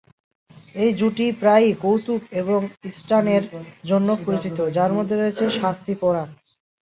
এই জুটি প্রায়ই কৌতুক এবং স্টান্টের জন্য পরিচিত, যার মধ্যে রয়েছে শাস্তি পোকার।